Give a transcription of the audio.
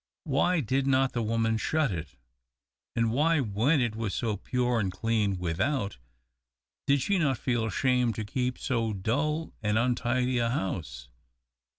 Why did not the woman shut it? And why, when it was so pure and clean without, did she not feel ashamed to keep so dull and untidy a house?